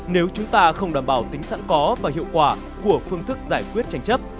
nếu chúng ta không đảm bảo tính sẵn có và hiệu quả của phương thức giải quyết tranh chấp